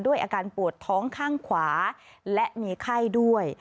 อาการปวดท้องข้างขวาและมีไข้ด้วย